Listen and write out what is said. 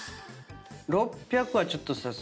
６００はちょっとさすがに。